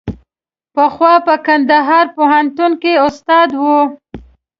پخوا په کندهار پوهنتون کې استاد و.